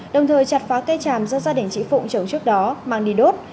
đồng thời chặt phá cây tràm do gia đình chị phụng trồng trước đó mang đi đốt